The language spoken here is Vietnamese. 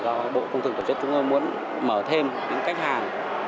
do bộ công thực tổ chức trung quốc muốn mở thêm những cách hàng